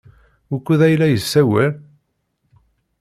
Wukud ay la yessawal?